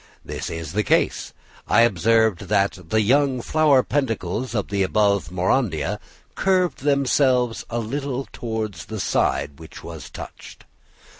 This is the case: I observed that the young flower peduncles of the above Maurandia curved themselves a little towards the side which was touched.